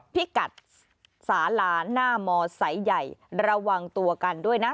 พิกัดสาลาหน้ามอไซค์ใหญ่ระวังตัวกันด้วยนะ